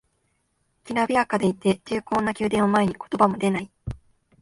きらびやかでいて重厚な宮殿を前に言葉も出ない